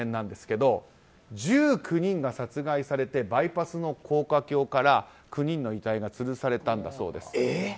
２０１９年、１９人が殺害されてバイパスの高架橋から９人の遺体がつるされたそうです。